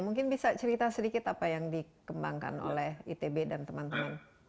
mungkin bisa cerita sedikit apa yang dikembangkan oleh itb dan teman teman